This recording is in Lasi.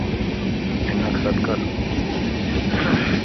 ھنک سڏڪر